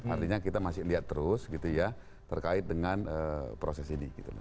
artinya kita masih lihat terus gitu ya terkait dengan proses ini